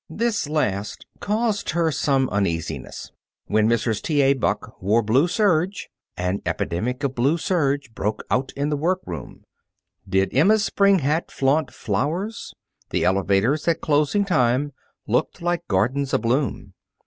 This last caused her some uneasiness. When Mrs. T. A. Buck wore blue serge, an epidemic of blue serge broke out in the workroom. Did Emma's spring hat flaunt flowers, the elevators, at closing time, looked like gardens abloom.